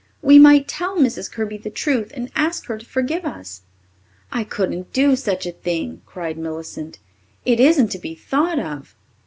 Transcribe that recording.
We might tell Mrs. Kirby the truth and ask her to forgive us." "I couldn't do such a thing," cried Millicent. "It isn't to be thought of!"